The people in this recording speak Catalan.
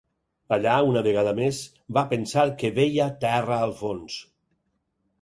Allà, una vegada més, va pensar que veia terra al fons.